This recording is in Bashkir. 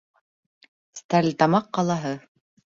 Стәрлетамаҡ ҡалаһы.